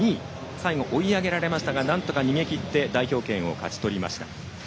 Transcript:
最後追い上げられましたがなんとか逃げ切って代表権を勝ち取りました。